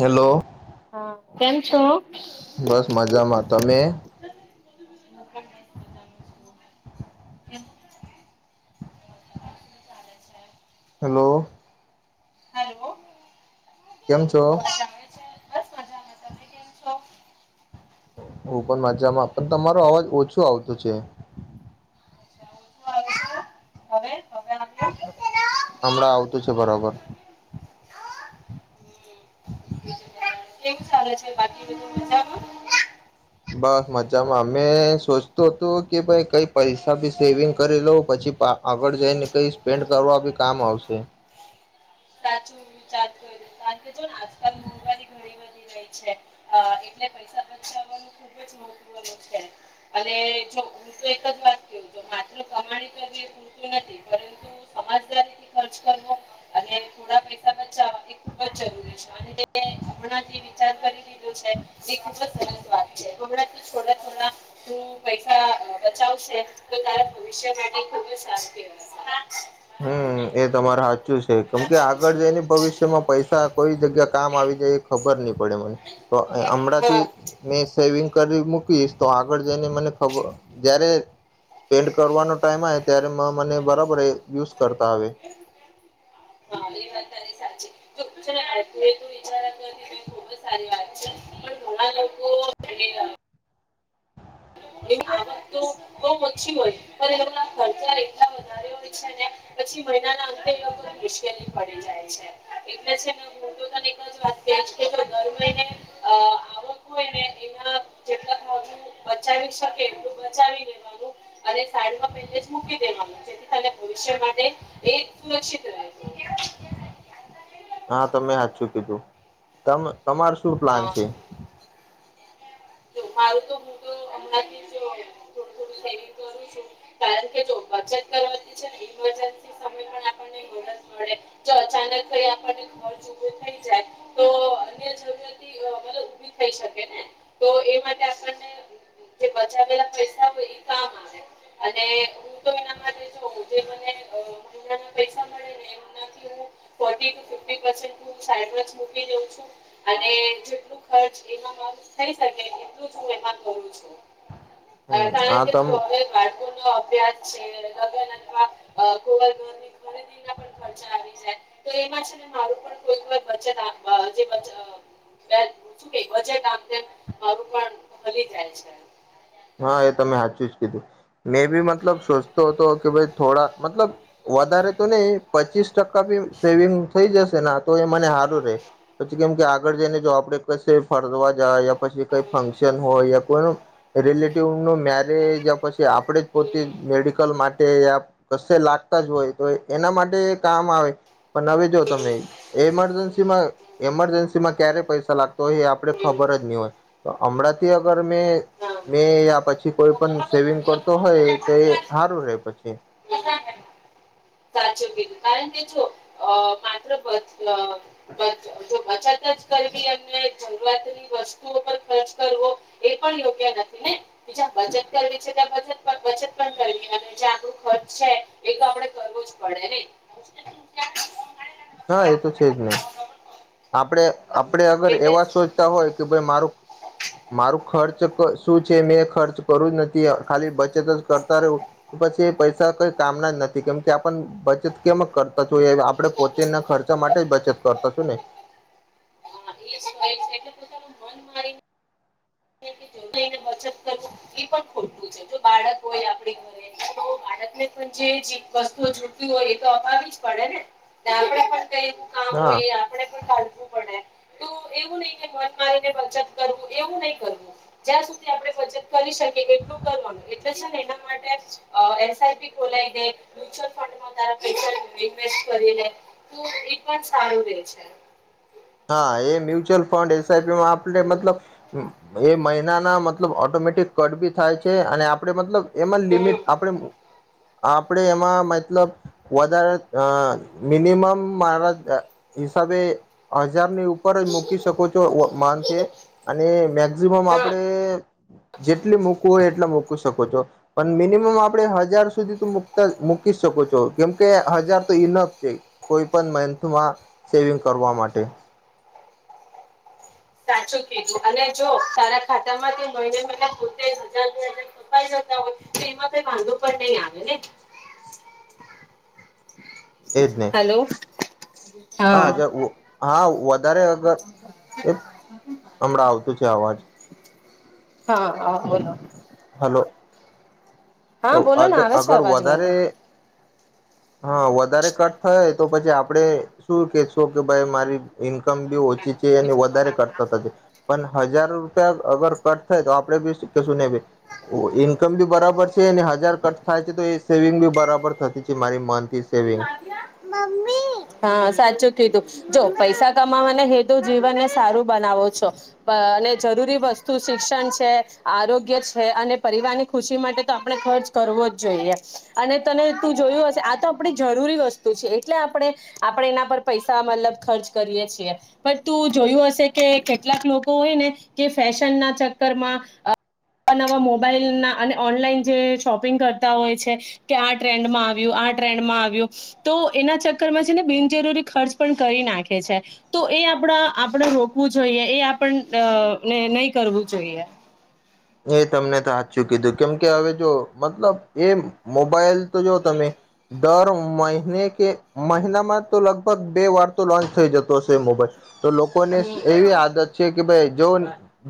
Hello હા કેમ છો. બસ મજામાં, તમે? [inaudible] હાલો. હાલો. કેમ છો? બસ મજામા. તમે કેમ છો? હું પણ મજામાં પણ તમારો અવાજ ઓછો આવતો છે. [inaudible] હવે. હવે આવ્યો હમણાં આવતું છે બરાબર. કેવું ચાલે છે બાકી બધું મજામાં? બસ મજામાં અમે સોચતું હતું કે ભાઈ કઈ પૈસા ભી સેવિંગ કરી લઉ પછી આગળ જઈને કઈ સ્પેન્ડ કરવા બી કામ આવશે. સાચું વિચારતો કારણ કે જોને આજકાલ મોંઘવારી ઘણી બી રહી છે એટલે પૈસા બચાવવાનું ખુબ જ મહત્વનું છે અને જો હું તો એક જ વાત કું માત્ર કમાણી કરવી પૂરતું નથી પરંતુ સમાજદારીથી બચાવવા એ ખૂબ જ જરૂરી છે અને જે હમણાં જે વિચાર [inaudible] પૈસા બચાવશે તો તારા ભવિષ્ય માટે ખુબજસારુ કેવાય. હમ્મ, એ તમારે હાચું છે કેમ કે આગળ જઈને ભવિષ્યમાં પૈ સા કોઈ જગ્યા કામ આવી જાય એ ખબર નહી પડે મને. તો હમણાં થી હા મેં સેવિંગ કરી મૂકીશ તો આગળ જઈને મને ખબર જય્યારે સ્પેન્ડ કરવાનો ટાઈમ આવે ત્યારે મને બરાબર યુઝ કરતા આવે. હા એ વાત તારી સાચી જો છે ને પૂરેપૂરી ઈજારત નથી તો ખૂબ જ સારી વાત છે પણ ઘણા લોકો એની પછી હોય અને ને પછી મહિનાના અંતે લગગ મુશ્કેલી પડી જાય છે. એટલે છેને હૂ તો તને એકજ વાત કઇ કે જો દર મહિને અ આવક હોય ને એના જેટલા ભાગનું બચાવી સાઈડમા પેહલેથી જ મૂકી દેવાનું જેથી ત ભવિષ્ય માટે એ સુરક્ષિત રહે છે. હા તમે હાચુ કીધું. તમે તમારે શું પ્લાન હા છે? જો મારું તો હું તો હમણાંથી જો થોડું થોડું સેવિંગ કરું છું કારણ કે જો બચત કરવાથી છે ને ઇમરજન્સી સમય પણ આપણને મદદ મળે જો અચાનક કઈ આપને ખર્ચ ઉભો થઈ જાય તો અન્ય જરૂરિયાતી અ, મતલબ ઊભી થઈ શકે ને તો ામ આવે હું એના મને પૈસા મળેને એથી દઉ છું અને જે ખર્ચ થઈકે એટલ જ હું એ કરું છું હમ કારણ હા કે તમ જો અભ્યાસ છે લગન અથવાવરની ખરીદી પણ ખર્ચા આવી જાય તો એમાં છે ને મારું કોઈકને બચતજ બુગેટ આમ તેમ મારું પણ ભલી જાય છે હા એ તમે સાચું જ કીધું મે બી મતલબ સોચતો હતો કે ભ થોડા મતલબ વધારે તો નઈ પચીસ ટકા બી સેવિંગ થઈ જશે તો એ મને સારું રહેે પછી કેમ કે આગળ જઈને જો આપડે ક ફરદવા જાય પછી કઈ ફંક્શન હોય યા કોઈનું રિલેટિવ ન મેરેજ પછી આપણે જ પોતે હમ મેડિકલ માટે યા કશે લાગતા જ હોય તો એના માટે કામ આવે પણ હવે જો હમ તમે એમરજન્સીમાં એમરજન્સીમાં ક્યારે પૈસા લાગતો હોય એ આપણે ખબર જ નહી હોય તો હમણાંથી અગર મેં હમ હમ મેં યા પછી કોઈ પણ સેવિંગ કરતો હોય તો એ હારું રે પછી સાચ કીધું કારણ કે જો અ માત્ર હ મ [unintelligible] જો બચત જ કરવી એમને જરૂરતની વસ્તુઓ પર ખર્ચ કરવો એ પણ યોગ્ય નથી ને બી જ્યાં બજત કરવી છે ત્યાં બજટ બચત પણ કરી અને જેો ખર્ચ છે એ તો આપડે કરવો પડેને હા એ તો છે જ ન આપણે આપડ અગર એટલે એવા જ સોચતા હોય કે ભાઈ મારું મારું ખર્ચ શું છે મે ખર્ચ કરું જ નથી ખાલી બચ કરતા રહો તો પછી પૈસા કઈ કામના જ નથી કેમ કે આપને બચત કેમ કરતાએ આપણે પો તેના ખર્ચા માટે જ બચત કરતા છું ને હા એ જ કહે છે એટલે પોતાનું મન મારીને લઈને બચત કરવું એ પણ ખોટું છે જો બાળક હોય આપડી ઘરે તો બાળકને પણ જે વસ્તુઓ જોટતી હોય એ તો અપાવી જ પડે ને આપણે કઈ કામ હા હોય એ આપણેે પણ ચાલવું પડે તો એવું નહી કે મન મારીને બચત કરવું એવું નહી કરવું જ્યાં સુધી આપણે બચત કરી શકે કેટલું કરવાનું એના માટે એસઆઈપી ખોલાવી દે મ્યુચ્યુઅલ ફંડમાં તારા પૈસા ઇન્વેસ્ટ કરી લે એ પણ સારું રે છે હા એ્ય ફઉન્ એીમાં આપણે મતલબ એ મહિનાના મતલબ ઓટોમેટિક કટ બી થાય છે અને આપડે મતલબ એમાં લિમિટ હમ આપણેે આપણે એમાં મતલબ વધારે અ મિનિમમ મારા હિસાબે હજારની ઉપર જ મૂકી શકો છો મંથે અને મેક્ઝિમમ હા આપણે જેટલી મૂકવું હોય એટલા મૂકી શકો છો પણ મિનિમમ આપણે હજાર સુધી તો મકતા મૂકી શકો છો કેમકે હજાર તો ઇનફ છે કોઈ પણ મંથમાં સેવિંગ કરવા માટે અઠ સાચું કીધું અને જો તારા ખાતા માંથી મહિને મહિ પોતે હજાર બે હજાર કપાઈ જતા હોય તો એમાં કઈ વાંધો પણ નહીં આવે ને એદને હેલો હા હા વધારે અગર એ હમણાં આવતું છે અવાજ હા હ બ હલો હા બોલો ને આવે છે અગર અવાજ વધારે મનવા હા વધારે કટ થાય તો પછી આપડે શું કેશું કે ભાઈ મારી ઈન્કમ બી ઓછી વધારે કરતા પણ હજાર રૂપિયાગર કટ થાય તો આપે બીશુંહી ઇન્કમ બી બરાબર છે હજાર કચ થાય છે તો એ સેવિંગ બી બરાબર થતી છે મારી મંથ સેવિંગ હા સાચું કીધું જો પૈસા કમાવાના હેદુ જીવનને સારું બનાવો છો અને અ જરૂરી વસ્તુ શિક્ષણ છે આરોગ્ય છે અને પરિવારની ખુશી માટે તો આપણે ખર્ચ કરવો જ જોઈએ અને તને તું જોયું હશે આ તો આપણી જરૂરી વસ્તુ છે એટલે આપણે આપણે એના પર પૈસા મતલબ ખર્ચ કરીએ છીએ પણ તું જોયું હશે કે કેટલાક લોકો હોય ને કે ફેશન ના ચક્કરમાં નવા નવા મોબાઈલ ના અને ઓનલાઈન જે શોપિંગ કરતા હોય છે કે આ ટ્રેન્ડમાં આવ્યું આ ટ્રેન્ડમાં આવ્યું તો એના ચર કર્ છે ને બિનજરૂરી ખર્ચ પણ કરી નાખે છે તો એ આપ આપણે રોકવું જોઈએ એ આપને નહી કરવું જોઈએ એ તમને તો હાચું કીધું કેમ કે હવે જો મતલબ એ મોબાઈલ તો જો તમે દર મહિને કે મહિનામાં તો લગભગ બે વાર તો લોન્ચ થઈ જતો હશે એ મોબાઈલ- તો લોકો ને હમ એવી હમ આદત છે કે ભાઈ જો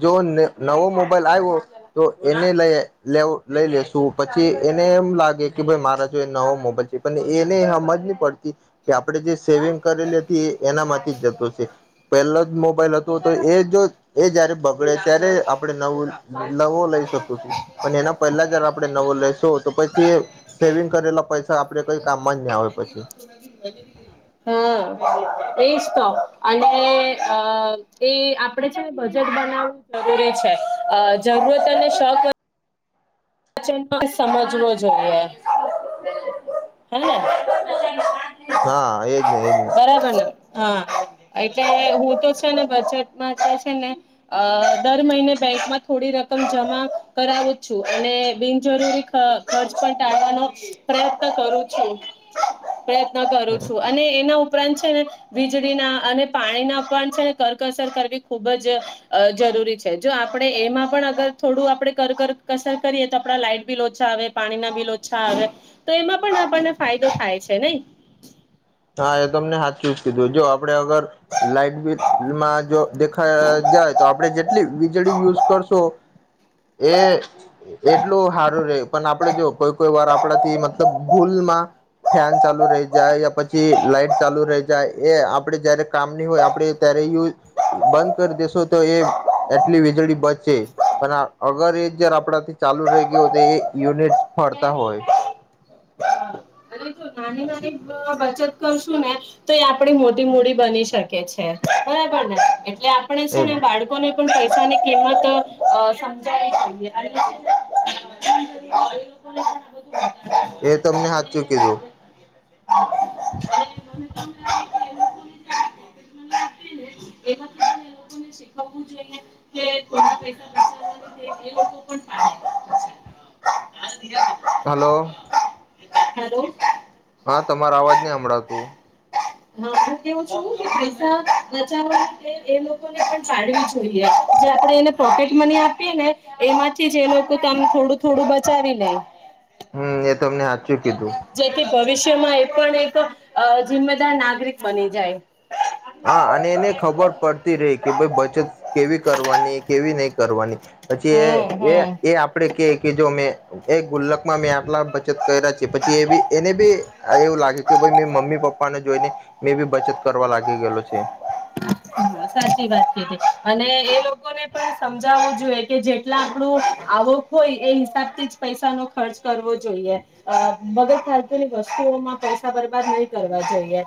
જો ન નવો મોબાઈલ આ વો તો એને લઈ લે લઈ લેશું પછી એને એમ લાગે કે ભાઈ મારા જો એ નવો મોબાઈલ છે પણ એને સમજ નહી પડતી કે આપડણે જે સેવિંગ કરેલી હતી એ એનામાંથી જ જતો છે પહેલો જ મોબાઈલ હતો તો એ જો એ જયારે બગડે ત્યારે આપણે નવું નવો લઈ શકું છું પણ એના પહેલા જારે આપડણે નવો લઈેશું તો પછી સેવિંગ કરેલા પૈસા હા. આપડે કઈ કામમાં જ ના આવે પછી એ જ તો અનેઅ એ આપણે છેને બજેટ બનાવવું જરૂરી છે અજરૂરત અને શક ચ સમજવો જોઈએ હેને હા એજ નહી એજ નહી હા એટલે હું તો છે ને બજેટમાં તો છે ને દર મહિને બેંકમાં થોડી રકમ જમા કરાવું છું અને બિનજરૂરી ખ ખર્ચ પણ ટાળવાનો પ્રયત્ન કરું છું પ્રયત્ન કરું છું અને એના ઉપર ઉપરાંત છે ને વીજળીના અને પાણીના ઉપરાંત છે ને કરકસર કરવી ખૂબ જ અજરૂરી છે જો આપણેે એમાં પણ અગર થોડું આપણે કરકકસર કરીએ આપડા લાાઈટ બિલ ઓછા આવે પાણીના બિલ ઓછા આવે તો એમાં પણ આપણને ફાયદો થાય છે નહી હા એ તમને હાથ ચુઝ કીધું જો આપડે અગર લાાઈટ બિલમાં જો દેખા જાય તો આપણે જેટલી વીજળી યુઝ કરશો એ એટલું સારું રહે પણ આપડણે જો કોઈ કોઈ વાર આપણાથી મતલબ ભૂલમાં ફેન ચાલુ રહી જાય પછી પછી લાઈટ ચાલુ રહી જાય એ આપડે જયારે કામ નહી હોય આપણે ત્યારે ય બંધ કરી દેેશું તો એ એટલી વીજળી બચે પણ અગર એ જારે આપણાથી ચાલુ રહી ગયું હોય તો એ યુનિટ ફરતા હોય અને જો બચત કરશું ને તો એ આપડી મોટી મૂડી બની શકે છે બરાબર ને એમ [unintelligible] પૈસાની કિંમત સમજાવવી [unintelligible] એ તમને હાથ ચૂકીધું [unintelligible] એમાંથી લોકોને શીખવવું જોઈો પૈસાચ એ [unintelligible] હલો. હેલો હા તમાર અવાજ નહી હભાળતું હા હું એવું છું કે પૈસા બચાવવા એ લોકોને પણ પાડવી જોઈએ જે આપડે એને પોકેટ મની આપીએ ને એમાંથી જ એ લોકો આમ થોડું થોડું બચાવી લે હમ એ તમને સાચું કીધું વિશ્માં એ પણ એક અ જિમ્મેદાર નાગરિક બની જાય હા અને એને ખબર પડતી રહી કે ભાઈ બચત કેવી કરવાની કેવી નહી કરવાની પછી એ હમ એ હમ એ આપડે કે કે જો મેં એ ગુલ્લક માં મેં આટલા બચત કર્યા છે પછી એ બી એને બી એવું લાગે કે ભ મે મમ્મી પપ્પાને જોઈને મેં બી બચત કરવા લાગે થગેલો છે સાચી વાત કીધી અને એ લોકોને પણ સમજાવવું જોઈએ કે જેટલા આપડું આવક હોય એ હિસાબથી જ પૈસા નો ખર્ચ કરવો જોઈએ બગર ખાલતુની વસ્તુઓમાં પૈસા બરબાદ નહી કરવા જોઈએ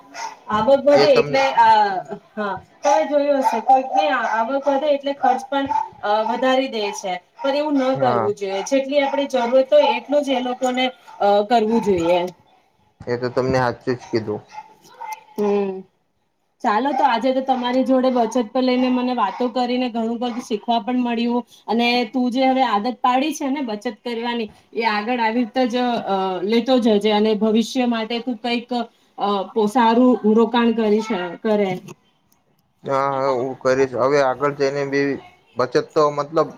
આગળ એ વધી તમને એટલે આ હા જોયું હશે કોઈક આવક વધે ખર્ચ પણ અવધારી દેશ છે પણ એવું ન હા કરવું જોઈએ જેટલી આપણે જરૂર તો એટલું જ એ લોકો ને અ કરવું જોઈએ એ તો તમને હું જ કીધું હમ ચાલો તો આજે તો તમારી જોડે બચત પર લઈને મને વાતો કરીને ઘણું બધું શીખવા પણ મળ્યું અને તું જે હવે આદત પાડી છે ને બચત કરવાની એ આગળ આવી રીતે જ લેતો જજે અને ભવિષ્ય માટે તું કઈક અ સારું રોકાણ કરી કરે હા હા હું કરી છે હવે આગળ જેને બી બચત તો મતલબ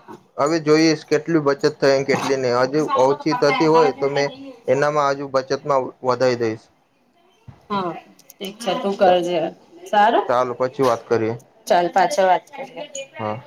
હવે જોઈએ કેટલી બચત થ એ કેટલી નહી હજુ ઓછી થતી હોય તો મેં એનામાં હજુ બચતમાં વધારી દઈશ હા ઠીક છે તું કરજે સારું ચાલો પછી વાત કરીએ ચાલ પાછો વાત [inaudible] હા